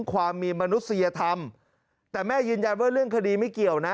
ความมีมนุษยธรรมแต่แม่ยืนยันว่าเรื่องคดีไม่เกี่ยวนะ